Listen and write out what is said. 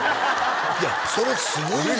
いやそれすごいやろ？